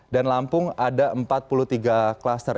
dan lampung ada empat puluh tiga kluster